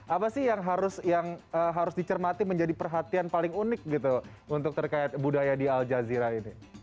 apa sih yang harus dicermati menjadi perhatian paling unik gitu untuk terkait budaya di al jazeera ini